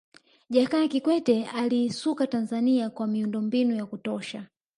jakaya kikwete aliisuka tanzania kwa miundo mbinu ya kutosha